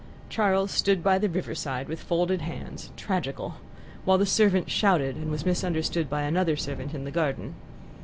Charles stood by the riverside with folded hands, tragical, while the servant shouted, and was misunderstood by another servant in the garden.